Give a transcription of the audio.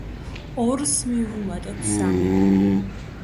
ორს მივუმატოთ სამი.